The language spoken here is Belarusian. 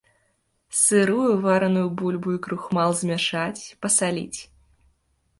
Сырую, вараную бульбу і крухмал змяшаць, пасаліць.